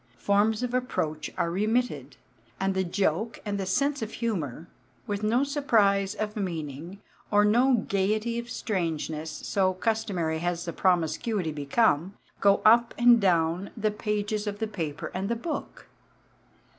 Forms of approach are remitted. And the joke and the sense of humour, with no surprise of meeting, or no gaiety of strangeness, so customary has the promiscuity become, go up and down the pages of the paper and the book.